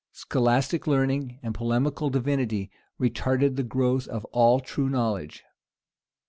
Scholastic learning and polemical divinity retarded the growth of all true knowledge.